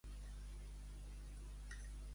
A Navata tots són lladres.